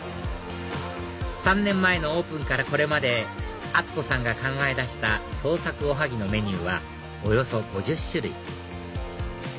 ３年前のオープンからこれまで敦子さんが考え出した創作おはぎのメニューはおよそ５０種類